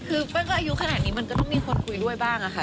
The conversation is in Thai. คือเปิ้ลก็อายุขนาดนี้มันก็ต้องมีคนคุยด้วยบ้างอะค่ะ